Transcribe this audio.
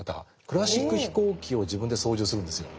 クラシック飛行機を自分で操縦するんですよ。